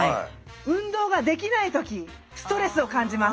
運動ができないときストレスを感じます。